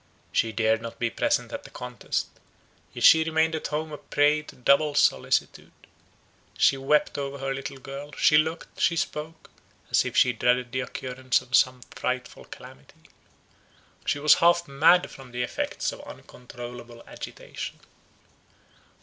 She dared not be present at the contest; yet she remained at home a prey to double solicitude. She wept over her little girl; she looked, she spoke, as if she dreaded the occurrence of some frightful calamity. She was half mad from the effects of uncontrollable agitation.